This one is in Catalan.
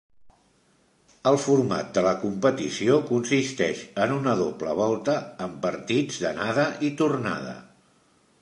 El format de la competició consisteix en una doble volta, amb partits d'anada i tornada.